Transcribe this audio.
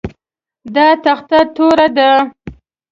دا تخته توره ده